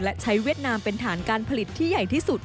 และใช้เวียดนามเป็นฐานการผลิตที่ใหญ่ที่สุด